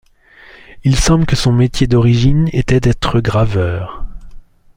Il semble que son métier d'origine était d'être graveur.